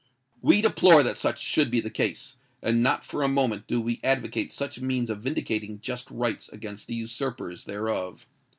We deplore that such should be the case; and not for a moment do we advocate such means of vindicating just rights against the usurpers thereof.